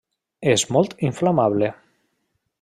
És molt inflamable.